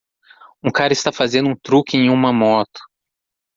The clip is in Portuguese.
Um cara está fazendo um truque em uma moto.